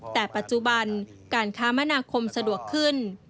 แต่ปัจจุบันการค้ามนาคมสะดวกขึ้น